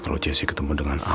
kalau jessy ketemu dengan al